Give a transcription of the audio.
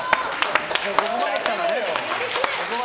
ここまで来たら。